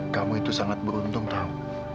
kamu itu sangat beruntung tahu